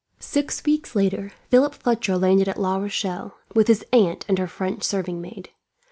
Six weeks later, Philip Fletcher landed at La Rochelle, with his aunt and her French serving maid.